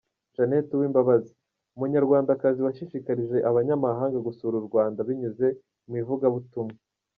Janet Uwimbabazi: Umunyarwandakazi washishikarije abanyamahanga gusura u Rwanda binyuze mu ivugabutumwa.